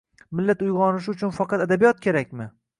Millat uyg‘onishi uchun faqat adabiyot kerakmi?